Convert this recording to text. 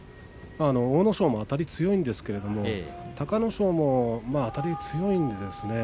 阿武咲もあたりは強いんですけれど隆の勝もあたりが強いんですね